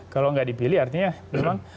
kalau nggak dipilih artinya memang